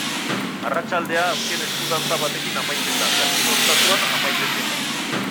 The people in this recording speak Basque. Arratsaldea azken esku-dantza batekin amaitzen da, Kasino ostatuan amaitzen dena.